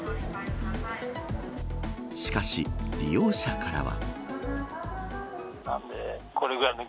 しかし、利用者からは。